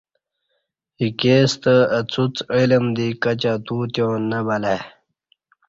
ایکے ستہ اڅوڅ علم دی کچی اتوتیا ں نہ بلہ ای